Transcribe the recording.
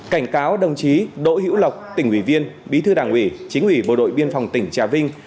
cảnh cáo đồng chí đỗ hữu lộc tỉnh ủy viên bí thư đảng ủy chính ủy bộ đội biên phòng tỉnh trà vinh